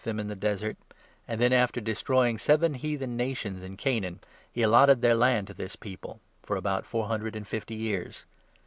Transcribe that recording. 239 them in the Desert '; then, after destroying seven heathen 19 nations in Canaan, he allotted their land to this people — for about four hundred and fifty years.